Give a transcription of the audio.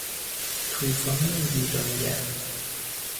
توفان ویرانگر